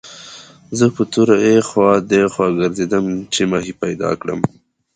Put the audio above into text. زه په تور اخوا دېخوا ګرځېدم چې ماهي پیدا کړم.